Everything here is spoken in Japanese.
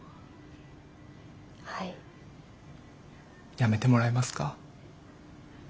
辞めてもらえますか。